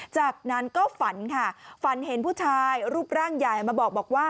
จากนั้นก็ฝันค่ะฝันเห็นผู้ชายรูปร่างใหญ่มาบอกว่า